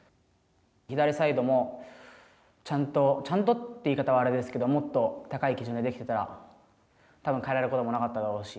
左サイドもちゃんとちゃんとという言い方はあれですけどもっと、高い基準でできてたら、たぶん代えられることもなかっただろうし。